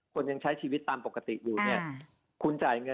คุณยังใช้ชีวิตตามปกติอยู่